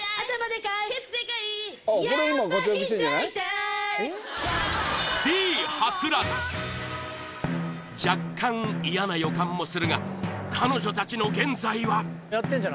でかいケツでかいやっぱ膝痛い若干嫌な予感もするが彼女たちの現在は？